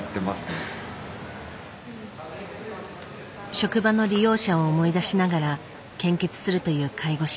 職場の利用者を思い出しながら献血するという介護士。